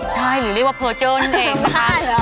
ใช่หรือเรียกว่าเพอร์เจิ้ลเองค่ะ